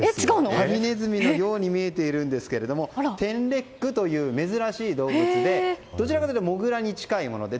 ハリネズミのように見えますがテンレックという珍しい動物でどちらかというとモグラに近い動物です。